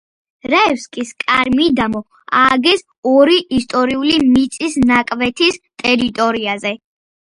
რაევსკის კარ-მიდამო ააგეს ორი ისტორიული მიწის ნაკვეთის ტერიტორიაზე.